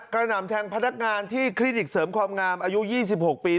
หนำแทงพนักงานที่คลินิกเสริมความงามอายุ๒๖ปี